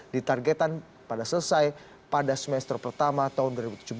ditargetan pada selesai pada semester pertama tahun dua ribu tujuh belas